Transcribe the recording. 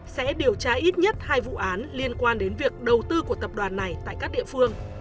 sẽ điều tra ít nhất hai vụ án liên quan đến việc đầu tư của tập đoàn này tại các địa phương